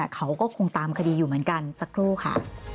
เขาก็คงตามคดีอยู่เหมือนกันสักครู่ค่ะ